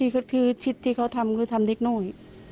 คิดที่เขาทำคือทำเล็กโน่ย